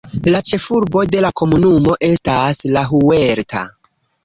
La ĉefurbo de la komunumo estas La Huerta.